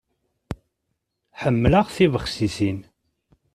Ḥemmleɣ tibexsisin.